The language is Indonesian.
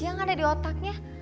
yang ada di otaknya